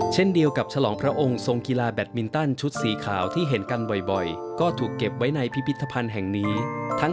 เช่นเดียวกับฉลองพระองค์ทรงกีฬาแบตมินตันชุดสีขาวที่เห็นกันบ่อยก็ถูกเก็บไว้ในพิพิธภัณฑ์แห่งนี้